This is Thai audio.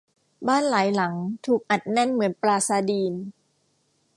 บ้านหลายหลังถูกอัดแน่นเหมือนปลาซาร์ดีน